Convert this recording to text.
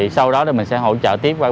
sau đó mình sẽ hỗ trợ tiếp qua bình oxy